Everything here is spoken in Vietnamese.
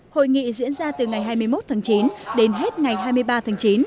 hội nghị diễn ra từ ngày hai mươi một tháng chín đến hết ngày hai mươi ba tháng chín